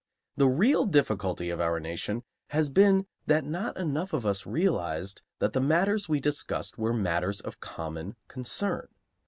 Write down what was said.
The real difficulty of our nation has been that not enough of us realized that the matters we discussed were matters of common concern.